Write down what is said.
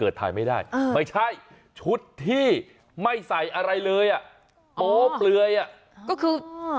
ถ่ายไม่ได้ไม่ใช่ชุดที่ไม่ใส่อะไรเลยอ่ะโป๊เปลือยอ่ะก็คือ